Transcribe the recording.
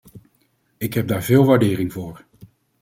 Ik heb daar veel waardering voor.